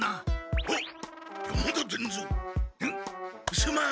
すまん！